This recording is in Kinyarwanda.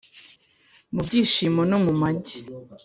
Mu byishimo no mu mage